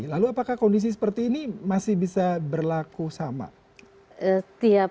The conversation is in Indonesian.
lalu apakah kondisi seperti ini masih bisa berlaku sama